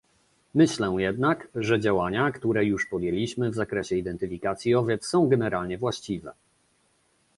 Myślę jednak, że działania, które już podjęliśmy w zakresie identyfikacji owiec są generalnie właściwe